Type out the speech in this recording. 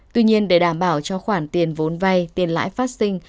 tuy nhiên để đảm bảo cho khoản tiền vốn vay tiền lãi phát sinh